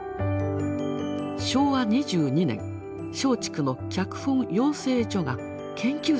昭和２２年松竹の脚本養成所が研究生を募集。